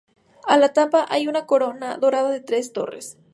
A la tapa, hay una corona dorada de tres torres.